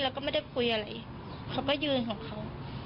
เราก็ไม่ได้คุยอะไรเขาก็ยืนของเขา